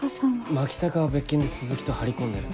牧高は別件で鈴木と張り込んでる。